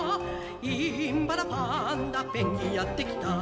「インパラパンダペンギンやってきた」